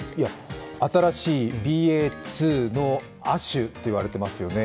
新しいＢＡ．２の亜種と言われていますよね。